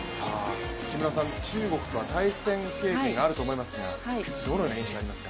中国は対戦経験があると思いますが？